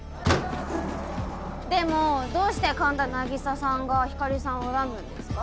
でもどうして神田凪沙さんが光莉さんを恨むんですか？